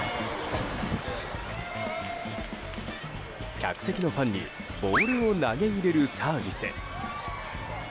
客席のファンにボールを投げ入れるサービス。